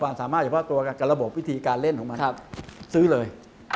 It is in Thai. สามารถเฉพาะตัวกับระบบวิธีการเล่นของมันซื้อเลย